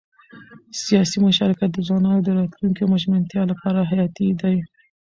سیاسي مشارکت د ځوانانو د راتلونکي ژمنتیا لپاره حیاتي دی